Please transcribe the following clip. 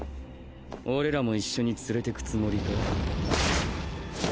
俺らも一緒に連れてくつもりか。